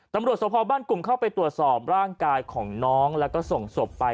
ตำร่วดสวทธิบันกุงเข้าไปตรวจสอบร่างกายของน้องแล้วก็ส่งสมไป